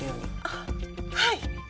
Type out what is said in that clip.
あっはい！